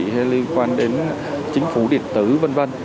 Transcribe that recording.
hay liên quan đến chính phủ điện tử v v